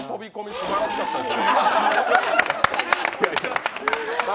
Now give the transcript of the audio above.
すばらしかったです。